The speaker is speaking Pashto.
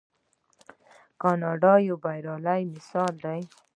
کاناډا یو بریالی مثال دی.